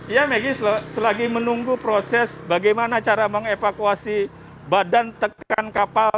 ya maggie selagi menunggu proses bagaimana cara mengevakuasi badan tekan kapal